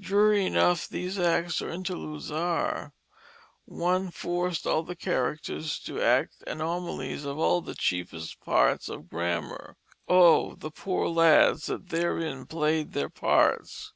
Dreary enough these acts or interludes are. One forced all the characters to act "anomalies of all the chiefest parts of grammar" oh! the poor lads that therein played their parts!